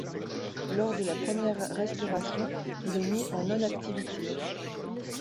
Lors de la première restauration il est mis en non activité.